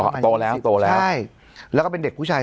โตแล้วโตแล้วใช่แล้วก็เป็นเด็กผู้ชาย